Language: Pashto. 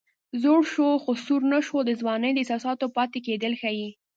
زوړ شو خو سوړ نه شو د ځوانۍ د احساساتو پاتې کېدل ښيي